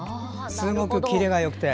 すごくキレがよくて。